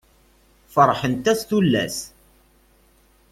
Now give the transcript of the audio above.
Ferḥent-as tullas.